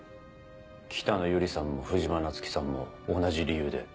北野由里さんも藤間菜月さんも同じ理由で？